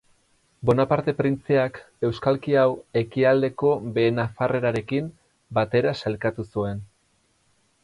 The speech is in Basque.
Bonaparte printzeak euskalki hau Ekialdeko Behe Nafarrerarekin batera sailkatu zuen.